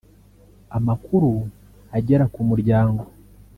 Amakuru agera k’umuryango